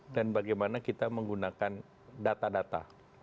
dan bagaimana kita menggunakan data data